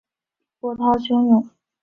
波涛汹涌